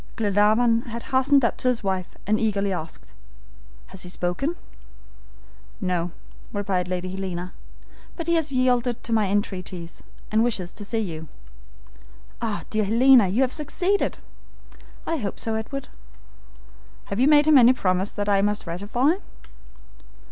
Glenarvan had hastened up to his wife and eagerly asked: "Has he spoken?" "No," replied Lady Helena, "but he has yielded to my entreaties, and wishes to see you." "Ah, dear Helena, you have succeeded!" "I hope so, Edward." "Have you made him any promise that I must ratify?"